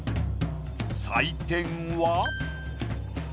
採点は。